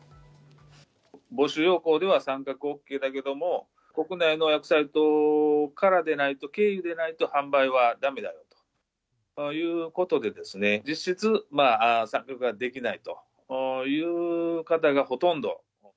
募集要項では参画ＯＫだけども、国内の予約サイトから出ないと、経由でないと販売はだめだよということで、実質、参画はできないという方がほとんど。